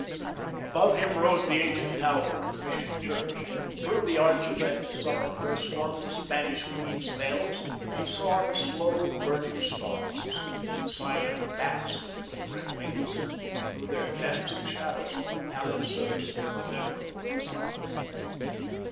Above him rose the ancient tower of the Mission church. Through the arches at its summit, where swung the Spanish queen's bells, he saw the slow burning stars. The silent bats, with flickering wings, threw their dancing shadows on the pallid surface of the venerable facade.